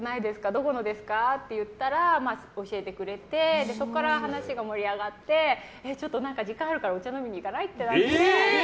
どこのですかって言ったら教えてくれてそこから話が盛り上がってちょっと時間あるからお茶飲みに行かない？ってなって。